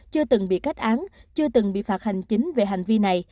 chưa từng bị kết án chưa từng bị phạt hành chính về hành vi này